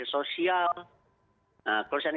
pencurian penggarungan penggalan akan terjadi di masyarakat